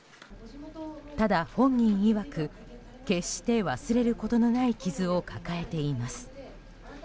ただ、本人いわく決して忘れることのない傷を抱えています。